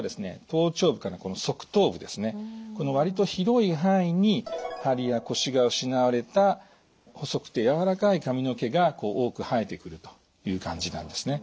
頭頂部からこの側頭部ですねこの割と広い範囲にハリやコシが失われた細くてやわらかい髪の毛が多く生えてくるという感じなんですね。